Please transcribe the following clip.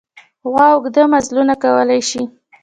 غوا اوږده مزلونه کولی شي.